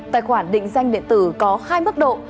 tài khoản định danh điện tử có hai mức độ